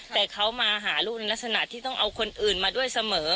แต่เขามาหาลูกในลักษณะที่ต้องเอาคนอื่นมาด้วยเสมอ